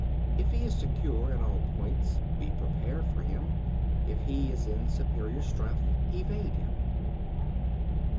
21. If he is secure at all points, be prepared for him. If he is in superior strength, evade him.